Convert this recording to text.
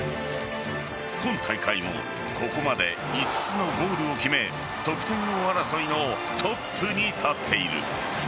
今大会もここまで５つのゴールを決め得点王争いのトップに立っている。